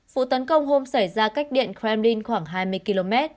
vụ tấn công hôm xảy ra cách điện kremlin khoảng hai mươi km